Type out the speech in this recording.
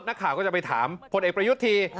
นักข่าวก็จะไปถามพลเอกประยุทธ์ที